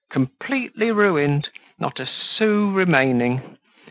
Completely ruined! Not a sou remaining.